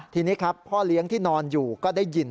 ทีนี้ครับพ่อเลี้ยงที่นอนอยู่ก็ได้ยิน